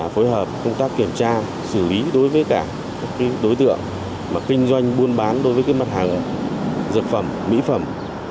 phối hợp công tác kiểm tra xử lý đối với cả các đối tượng kinh doanh buôn bán đối với mặt hàng dược phẩm mỹ phẩm